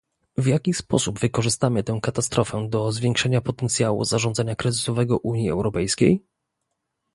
w jaki sposób wykorzystamy tę katastrofę do zwiększenia potencjału zarządzania kryzysowego Unii Europejskiej?